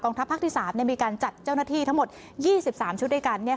ทัพภาคที่๓มีการจัดเจ้าหน้าที่ทั้งหมด๒๓ชุดด้วยกัน